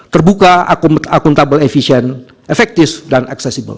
terbuka akuntabel efisien efektif dan accessible